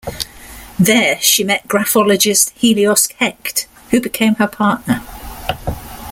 There, she met graphologist Helios Hecht, who became her partner.